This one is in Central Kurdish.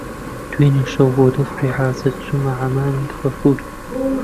دوێنێ شەو بۆ دەفعی حاجەت چوومە حەممامی غەفوور